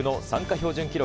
標準記録